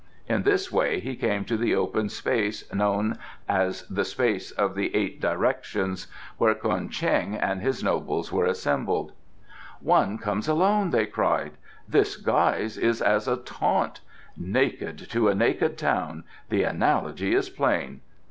In this way he came to the open space known as the Space of the Eight Directions, where Ko'en Cheng and his nobles were assembled. "One comes alone," they cried. "This guise is as a taunt." "Naked to a naked town the analogy is plain."